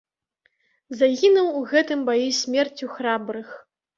Загінуў у гэтым баі смерцю храбрых.